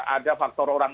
ada faktor orang